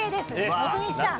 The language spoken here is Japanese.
徳光さん。